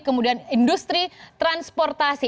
kemudian industri transportasi